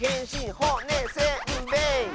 「ほ・ね・せ・ん・べい！」